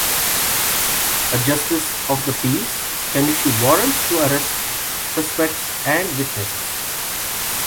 A justice of the peace can issue warrants to arrest suspects and witnesses.